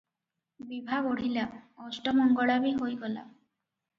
ବିଭା ବଢିଲା, ଅଷ୍ଟମଙ୍ଗଳା ବି ହୋଇଗଲା ।